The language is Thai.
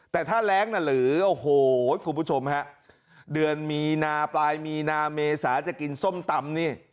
แต่ถ้าแรงน่ะหรือโอ้โหคุณผู้ชมฮะเดือนมีนาปลายมีนาเมษาจะกินส้มตำนี่